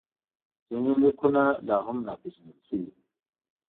ځینې لیکونه لا هم ناپېژندل شوي دي.